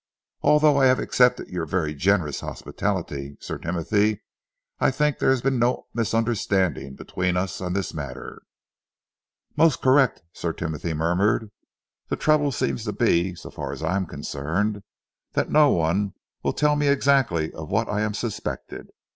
Although I have accepted your very generous hospitality, Sir Timothy, I think there has been no misunderstanding between us on this matter." "Most correct," Sir Timothy murmured. "The trouble seems to be, so far as I am concerned, that no one will tell me exactly of what I am suspected?